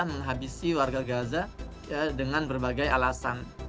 menghabisi warga gaza dengan berbagai alasan